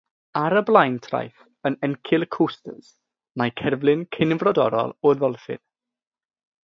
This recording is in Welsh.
Ar y blaen traeth yn encil Coasters mae cerflun Cynfrodorol o ddolffin.